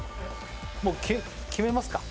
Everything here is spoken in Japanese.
もう決めますか？